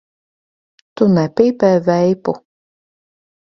Tu nepīpē veipu?